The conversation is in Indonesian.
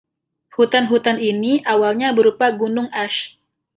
Hutan-hutan ini awalnya berupa Gunung Ash.